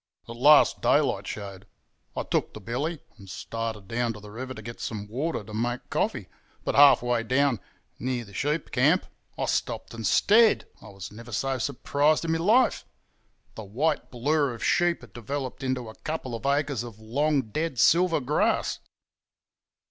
"At last daylight showed. I took the billy and started down to the river to get some water to make coffee; but half way down, near the sheep camp, I stopped and stared, I was never so surprised in my life. The white blur of sheep had developed into a couple of acres of long dead silver grass!